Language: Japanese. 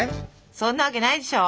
そんなわけないでしょ！